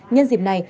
nguyên dịp này